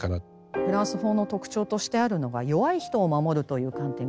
フランス法の特徴としてあるのが弱い人を守るという観点があります。